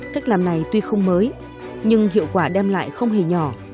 cách làm này tuy không mới nhưng hiệu quả đem lại không hề nhỏ